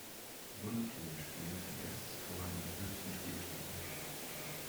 Bundesligaspiel sein erstes Tor in der höchsten Spielklasse.